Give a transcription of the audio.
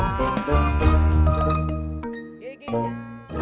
aku mau sembunyikan perpangkalan